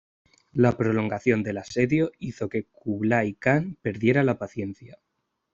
La prolongación del asedio hizo que Kublai Khan perdiera la paciencia.